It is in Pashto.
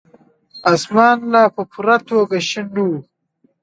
اسمان لا په پوره توګه شين نه وو.